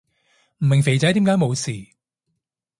唔明肥仔點解冇事